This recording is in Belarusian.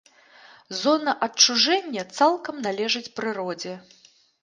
Зона адчужэння цалкам належыць прыродзе.